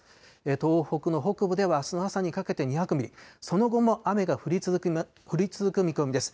東北の北部では、あすの朝にかけて２００ミリ、その後も雨が降り続く見込みです。